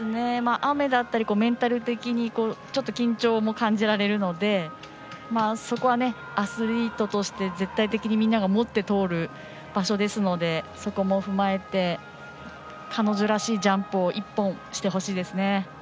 雨だったりメンタル的にちょっと緊張も感じられるのでそこは、アスリートとして絶対的にみんなが持って通る場所なのでそこも踏まえて彼女らしいジャンプを１本、してほしいです。